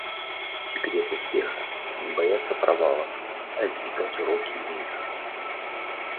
Секрет успеха - не бояться провалов, а извлекать уроки из них.